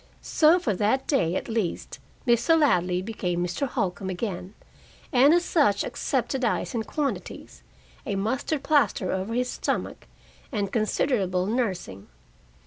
So for that day, at least, Mr. Ladley became Mr. Holcombe again, and as such accepted ice in quantities, a mustard plaster over his stomach, and considerable nursing.